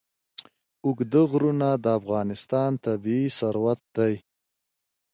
اوږده غرونه د افغانستان طبعي ثروت دی.